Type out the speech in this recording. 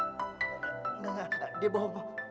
enggak enggak dia bohong mbak